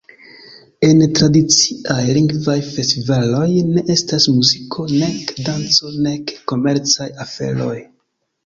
En tradiciaj Lingvaj Festivaloj ne estas muziko, nek danco, nek komercaj aferoj.